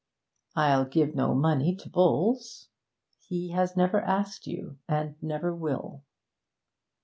'I'll give no money to Bowles.' 'He has never asked you, and never will.'